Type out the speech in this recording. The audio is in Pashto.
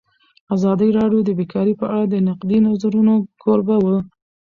ازادي راډیو د بیکاري په اړه د نقدي نظرونو کوربه وه.